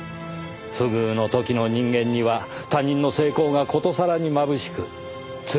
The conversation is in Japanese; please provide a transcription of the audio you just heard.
不遇の時の人間には他人の成功が殊更にまぶしくつらいものです。